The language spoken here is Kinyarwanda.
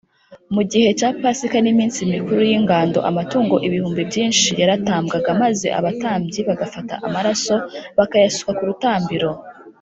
mu gihe cya pasika n’iminsi mikuru y’ingando, amatungo ibihumbi byinshi yaratambwaga maze abatambyi bagafata amaraso bakayasuka ku rutambiro